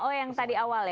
oke yang tadi awal ya